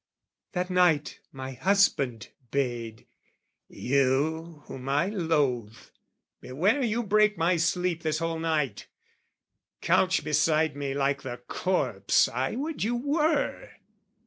That night my husband bade " You, whom I loathe, beware you break my sleep "This whole night! Couch beside me like the corpse "I would you were!"